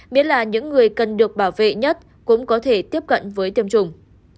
miễn là những người cần được bảo vệ nhất cũng có thể tiếp cận với tiêm chủng